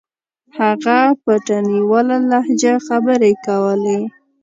هغه په تڼيواله لهجه خبرې کولې.